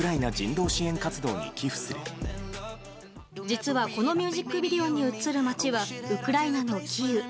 実は、このミュージックビデオに映る街はウクライナのキーウ。